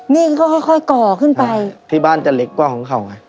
นี่ก็ค่อยค่อยก่อขึ้นไปที่บ้านจะเล็กกว่าของเขาไง